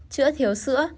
chữa thiếu sữa